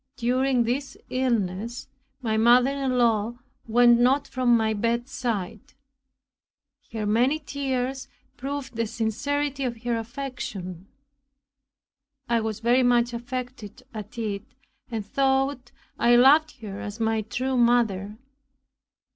During this illness, my mother in law went not from my bedside; her many tears proved the sincerity of her affection. I was very much affected at it, and thought I loved her as my true mother.